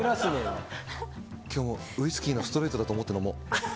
ウイスキーのストレートだと思って飲もう。